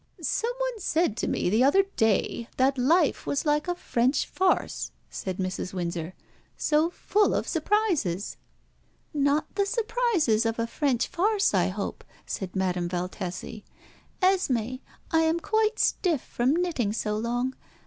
"Some one said to me the other day that life was like a French farce," said Mrs. Windsor "so full of surprises." "Not the surprises of a French farce, I hope," said Madame Valtesi. "Esmé, I am quite stiff from knitting so long.